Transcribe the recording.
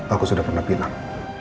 aku sudah pernah bilang